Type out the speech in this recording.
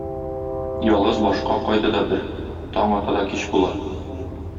Ялгыз башка кайда да бер - таң ата да кич була.